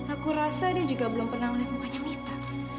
aku rasa dia juga belum pernah melihat mukanya minta